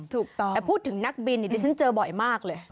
แต่พูดถึงนักบินนี่ฉันเจอบ่อยมากเลย